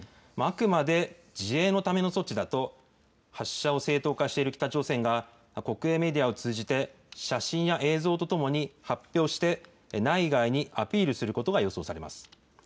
あくまで自衛のための措置だと、発射を正当化している北朝鮮が、国営メディアを通じて、写真や映像とともに発表して、内外にアピールすることが予想されます。